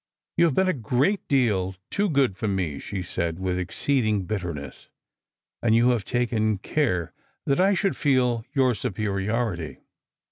" You have been a great deal too good for me," she said with exceeding bitterness, " and you have taken care ' .^t I should feel your superiority.